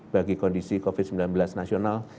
bagi kondisi covid sembilan belas nasional